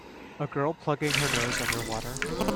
A girl plugging her nose underwater.